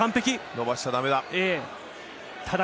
伸ばしちゃ、だめだ。